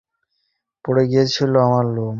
লাল ক্রিপ্টোনাইটের কারণে আমার লোম পড়ে গিয়েছিল।